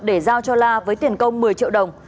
để giao cho la với tiền công một mươi triệu đồng